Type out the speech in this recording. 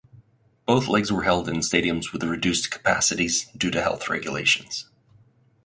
Both legs were held in stadiums with reduced capacities due to health regulations.